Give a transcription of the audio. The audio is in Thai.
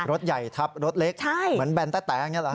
รถใหญ่ทับรถเล็กเหมือนแบรนด์แต๊ดแต๊งอย่างนี้หรอคะ